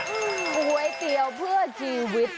ก๋วยเตี๋ยวเพื่อชีวิต